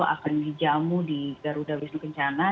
akan dijamu di garuda wisnu kencana